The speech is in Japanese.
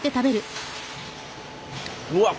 うわっ！